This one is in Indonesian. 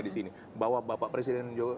di sini bahwa bapak presiden jokowi